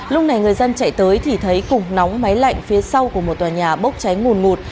lúc này người dân chạy tới thì thấy cùng nóng máy lạnh phía sau của một tòa nhà bốc cháy ngùn ngụt